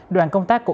đoàn công tác của